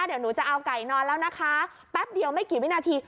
เดี๋ยวหนูจะเอาไก่นอนแล้วนะคะแป๊บเดียวไม่กี่วินาที